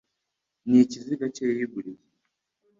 Ni Icyiziga Cye yiguriye